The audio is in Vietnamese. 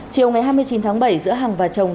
chiều ngày hai mươi chín tháng bảy giữa hằng và chồng